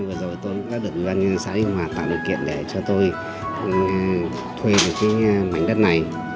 vừa rồi tôi đã được xã ninh hòa tạo điều kiện để cho tôi thuê được cái mảnh đất này